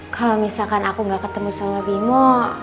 kalau misalkan aku gak ketemu sama bimo